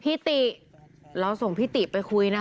ติเราส่งพี่ติไปคุยนะคะ